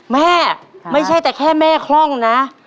ไม่ใช่แต่แค่แม่คล่องนะ